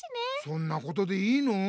そんなことでいいの？